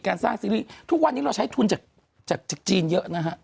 การสร้างซีรีส์ทุกวันนี้เราใช้ทุนจากจากจีนเยอะนะฮะ